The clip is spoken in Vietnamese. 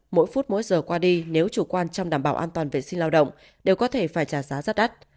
mỗi phút mỗi giờ qua đi nếu chủ quan trong đảm bảo an toàn vệ sinh lao động đều có thể phải trả giá rất đắt